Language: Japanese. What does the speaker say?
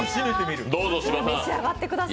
召し上がってください。